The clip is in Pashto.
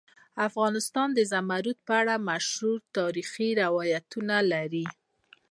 افغانستان د زمرد په اړه مشهور تاریخی روایتونه لري.